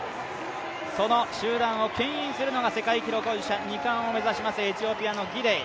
その集団をけん引しているのが世界記録保持者、２冠を目指します、エチオピアのギデイ。